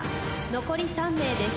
残り３名です。